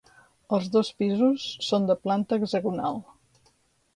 Els dos pisos són de planta hexagonal